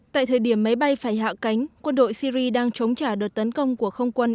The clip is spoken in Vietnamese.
tại thời điểm máy bay phải hạ cánh quân đội syri đang chống trả đợt tấn công của không quân